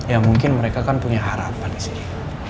ya mungkin mereka kan punya harapan di sini